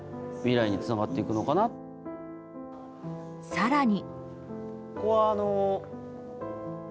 更に。